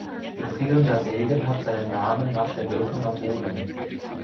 Gefrierender Regen hat seinen Namen nach der Wirkung am Boden.